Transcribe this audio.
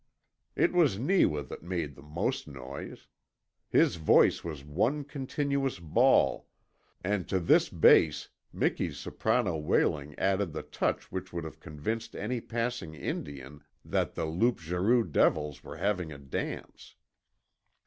It was Neewa that made the most noise. His voice was one continuous bawl, and to this bass Miki's soprano wailing added the touch which would have convinced any passing Indian that the loup garou devils were having a dance.